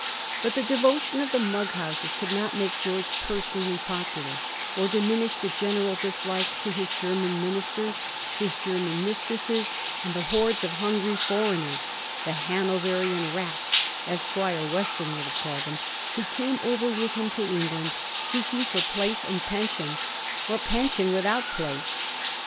But the de votion of the mug houses could not make George personally popular, or diminish the general dislike to his German ministers, his German mistresses, and the horde of hungry foreigners — the Hanoverian rats, as Squire Western would have called them — ^who came over with him to England, seeking for place and pension, or pension without place.